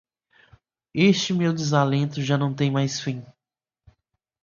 Este meu desalento já não tem mais fim.